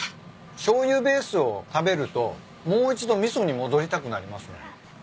しょうゆベースを食べるともう一度味噌に戻りたくなりますね。